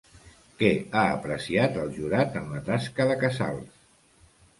Què ha apreciat el jurat en la tasca de Casals?